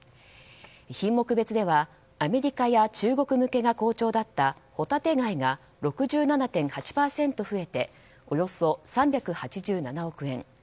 品目別ではアメリカや中国向けが好調だったホタテ貝が６７．８％増えておよそ３８７億円。